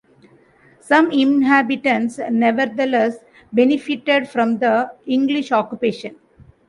Some inhabitants nevertheless benefited from the English occupation.